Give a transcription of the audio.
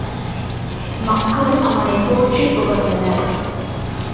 மக்கள் அவனைப் போற்றிப் புகழ்ந்தனர்.